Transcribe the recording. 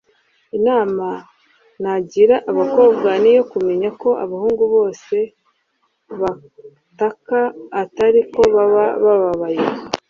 Inama nagira abakobwa ni iyo kumenya ko abahungu bose bataka atari uko baba bababaye